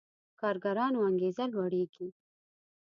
کارګرانو انګېزه لوړېږي.